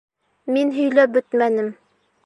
Мин һөйләп бөтмәнем.